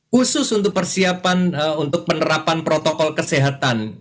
khusus untuk persiapan untuk penerapan protokol kesehatan